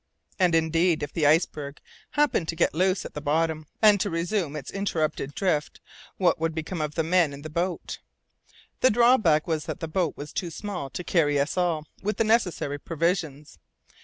And, indeed, if the iceberg happened to get loose at the bottom, and to resume its interrupted drift, what would become of the men in the boat? The drawback was that the boat was too small to carry us all, with the necessary provisions.